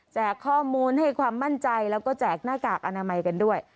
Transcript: ข้อมูลให้ความมั่นใจแล้วก็แจกหน้ากากอนามัยกันด้วย